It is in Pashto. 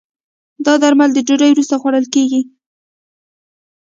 دا درمل د ډوډی وروسته خوړل کېږي.